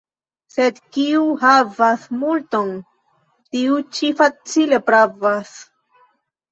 Sed kiu havas multon, tiu ĉi facile pravas.